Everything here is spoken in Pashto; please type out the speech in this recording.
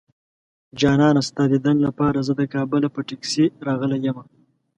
جانانه ستا ديدن لپاره زه د کابله په ټکسي راغلی يمه